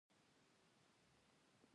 د غره بادام پیوند کیږي؟